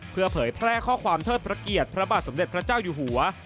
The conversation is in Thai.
เพื่อเผยแพร่ข้อความเทิดพระเกียรติพระบาทสมเด็จพระเจ้าอยู่หัว